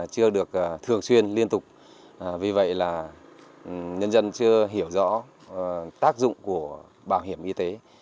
chưa được thường xuyên liên tục vì vậy là nhân dân chưa hiểu rõ tác dụng của bảo hiểm y tế